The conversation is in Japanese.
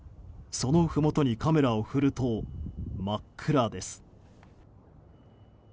そのふもとにカメラを振ると真っ暗です。